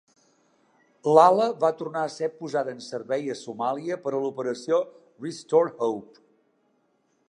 L'ala va tornar a ser posada en servei a Somàlia per a l'operació Restore Hope.